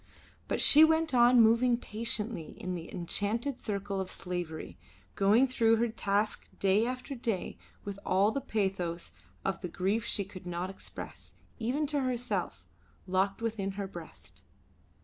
But she went on moving patiently in the enchanted circle of slavery, going through her task day after day with all the pathos of the grief she could not express, even to herself, locked within her breast.